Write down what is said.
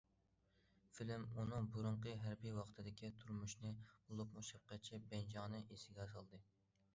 فىلىم ئۇنىڭ بۇرۇنقى ھەربىي ۋاقتىدىكى تۇرمۇشىنى، بولۇپمۇ شەپقەتچى بەنجاڭنى ئېسىگە سالدى.